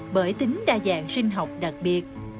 bởi tính đa dạng sinh học đặc biệt